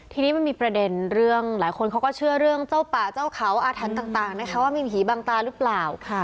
ทีนี้มันมีประเด็นเรื่องหลายคนเขาก็เชื่อเรื่องเจ้าป่าเจ้าเขาอาถรรพ์ต่างนะคะว่ามีผีบังตาหรือเปล่า